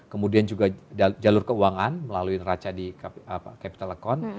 kemudian juga jalur keuangan melalui neraca di capital acon